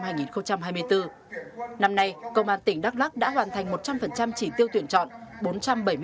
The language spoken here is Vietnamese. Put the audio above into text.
tại trung đoàn cảnh sát cơ động tây nguyên bộ công an công an tỉnh đắk lắk đã tổ chức lễ giao nhận chiến sĩ thực hiện nghĩa vụ tham gia công an nhân dân năm hai nghìn hai mươi bốn